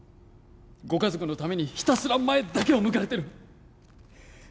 ご家族のためにひたすら前だけを向かれてる